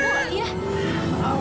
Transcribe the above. ayo sedikit lagi ibu